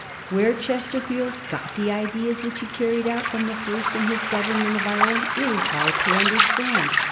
Where Chesterfield got the ideas which he carried out from the first in his government of Ireland it is hard to understand.